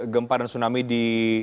gempa dan tsunami di